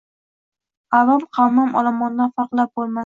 Аvom qavmin olomondan farqlab boʼlmas